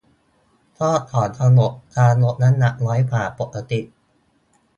คลอดก่อนกำหนด ทารกน้ำหนักน้อยกว่าปกติ